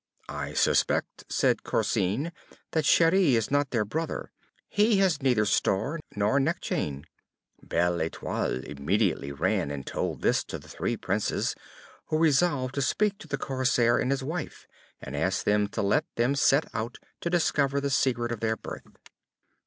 "I suspect," said Corsine, "that Cheri is not their brother, he has neither star nor neck chain." Belle Etoile immediately ran and told this to the three Princes, who resolved to speak to the Corsair and his wife, and ask them to let them set out to discover the secret of their birth.